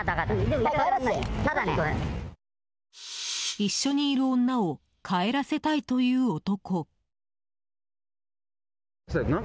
一緒にいる女を帰らせたいという男。